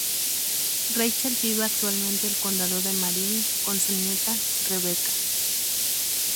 Rachel vive actualmente el Condado de Marin con su nieta, Rebecca.